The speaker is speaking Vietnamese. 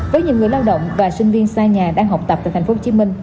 với nhiều người lao động và sinh viên xa nhà đang học tập tại tp hcm